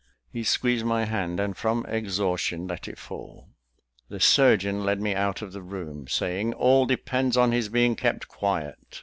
He squeezed my hand, and from exhaustion let it fall. The surgeon led me out of the room, saying, "All depends on his being kept quiet."